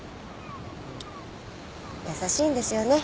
優しいんですよね。